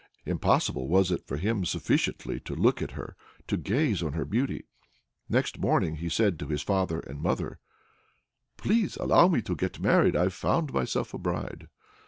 Impossible was it for him sufficiently to look at her, to gaze on her beauty! Next morning he said to his father and mother, "Please allow me to get married. I've found myself a bride."